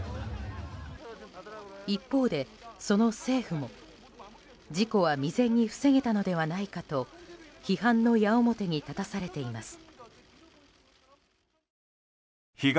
一方で、その政府も、事故は未然に防げたのではないかと批判の矢面に立たされています。